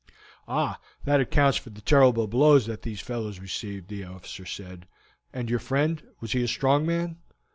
"Ah, that accounts for the terrible blows that these fellows received," the officer said. "And your friend; was he a strong man?"